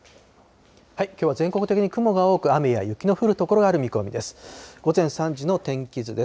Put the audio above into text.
きょうは全国的に雲が多く、雨や雪の降る所がある見込みです。